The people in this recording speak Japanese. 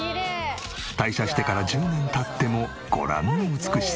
退社してから１０年経ってもご覧の美しさ。